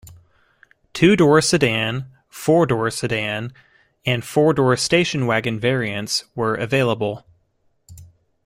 Two-door sedan, four-door sedan, and four-door station wagon variants were available.